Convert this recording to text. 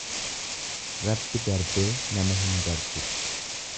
Rabbi darbee nama hin darbu.